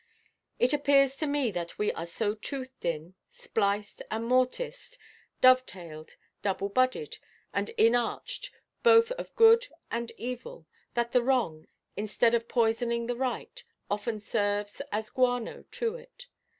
It appears to me that we are so toothed in, spliced and mortised, dovetailed, double–budded, and inarched, both of good and evil, that the wrong, instead of poisoning the right, often serves as guano to it.